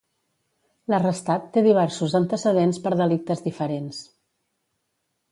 L'arrestat té diversos antecedents per delictes diferents.